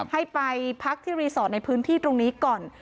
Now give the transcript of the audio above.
ให้ไปพักที่รีสอร์ทในพื้นที่ตรงนี้ก่อน